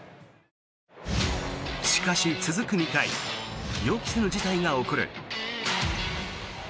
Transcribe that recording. しかし、続く２回予期せぬ事態が起こる。